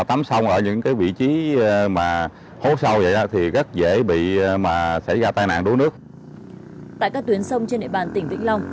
tại các tuyến sông trên địa bàn tỉnh vĩnh long